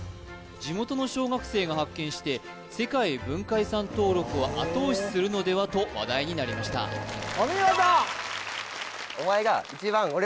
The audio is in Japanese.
地元の小学生が発見して世界文化遺産登録を後押しするのではと話題になりましたお見事！